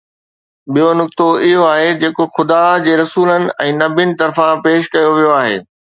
ٻيو نقطو اهو آهي جيڪو خدا جي رسولن ۽ نبين طرفان پيش ڪيو ويو آهي.